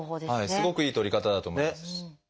すごくいいとり方だと思います。